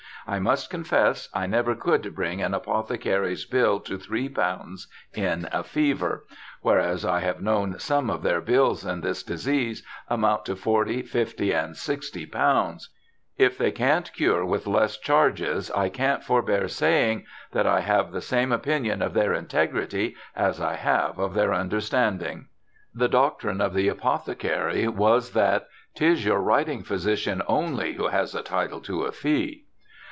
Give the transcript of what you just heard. I must confess, I never could bring an Apothecary's Bill to three pounds in a fever; whereas I have known some of their bills in this disease amount to forty, fifty, and sixty Pounds. If they can't cure with less charges, I can't forbear saying. That I have the same opinion of their Integrity as I have of their Understanding.' The doctrine of the apothecary was that, '' Tis your Writing Physician only who has a Title to a Fee.'